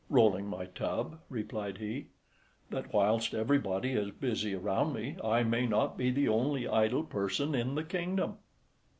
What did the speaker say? "Rolling my tub," replied he, "that whilst everybody is busy around me, I may not be the only idle person in the kingdom."